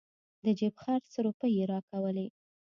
د جيب خرڅ روپۍ چې يې راکولې.